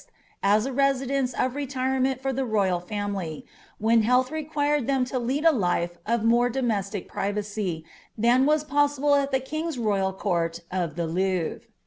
as a residence of retire ment for the royal family, when health required them to lead a life of more domestic privacy, than was possible at the king's royal court of the Louvre.